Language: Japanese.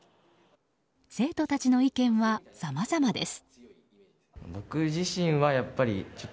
生徒たちの意見はさまざまです。